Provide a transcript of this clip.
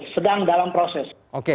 sedang dalam proses